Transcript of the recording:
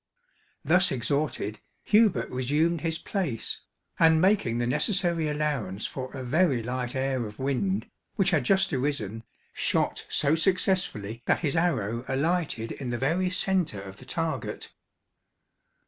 Thus exhorted, Hubert resumed his place, and making the necessary allowance for a very light air of wind, which had just arisen, shot so successfully that his arrow alighted in the very centre of the target.